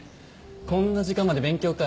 こんな時間まで勉強か。